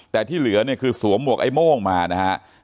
แต่ที่เหลือเนี่ยคือสวมหวกไอ้โม่งมานะฮะ